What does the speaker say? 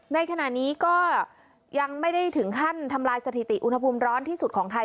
ในขณะนี้ก็ยังไม่ได้ถึงขั้นทำลายสถิติอุณหภูมิร้อนที่สุดของไทย